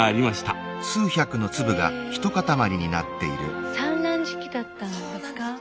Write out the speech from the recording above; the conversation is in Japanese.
へえ産卵時期だったんですか。